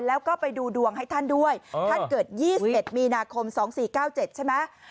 แล้วก็ไปดูดวงให้ท่านด้วยท่านเกิด๒๑มีนาคม๒๔๙๗ใช่ไหม